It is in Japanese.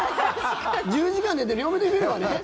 １０時間寝て両目で見ればね。